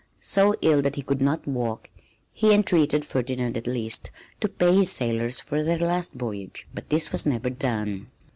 So ill that he could not walk, he entreated Ferdinand at least to pay his sailors for their last voyage, but this was never done.